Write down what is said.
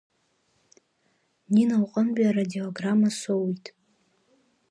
Нина лҟнытәи арадиограмма соуит.